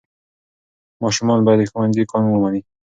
ماشومان باید د ښوونځي قانون ومني.